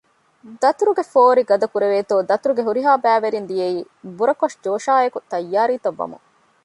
ދަތުރުގެ ފޯރި ގަދަކުރެވޭތޯ ދަތުރުގެ ހުރިހާ ބައިވެރިން ދިޔައީ ބުރަކޮށް ޖޯޝާއެކު ތައްޔާރީ ތައް ވަމުން